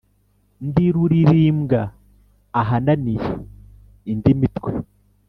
Ndi rulirimbwa ahananiye indi mitwe.